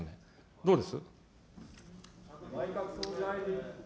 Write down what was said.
どうです。